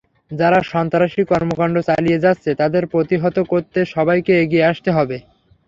যারা সন্ত্রাসী কর্মকাণ্ড চালিয়ে যাচ্ছে, তাদের প্রতিহত করতে সবাইকে এগিয়ে আসতে হবে।